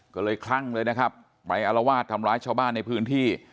ก็เลยคลั่งเลยนะครับไปอารวาสทำร้ายชาวบ้านในพื้นที่